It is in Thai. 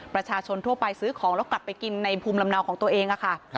ประชาชนทั่วไปซื้อของแล้วกลับไปกินในภูมิลำเนาของตัวเองค่ะ